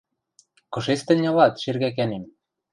— Кышец тӹнь ылат, шергӓкӓнем?